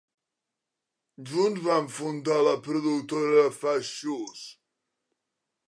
Junts van fundar la productora Fast Shoes.